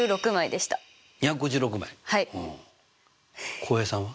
浩平さんは？